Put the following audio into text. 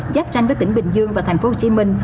giáp ranh với tỉnh bình dương và thành phố hồ chí minh